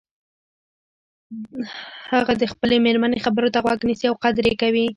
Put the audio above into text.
هغه د خپلې مېرمنې خبرو ته غوږ نیسي او قدر یی کوي